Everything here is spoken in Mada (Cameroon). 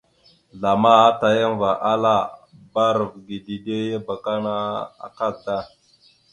Zlama atayaŋva ala: « Bba arav ge dide ya abakana akada, ».